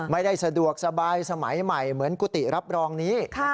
ไม่ได้สะดวกสบายสมัยใหม่เหมือนกุฏิรับรองนี้